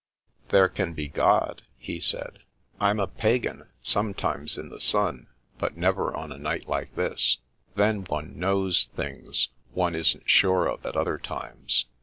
•'There can be God," he said. "Tm a pagan 1 66 The Princess Passes sometimes in the sun, but never on a night like this. Then one knows things one isn't sure of at other times.